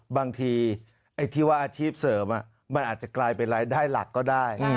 บางทีไอ้ที่ว่าอาชีพเสริมมันอาจจะกลายเป็นรายได้หลักก็ได้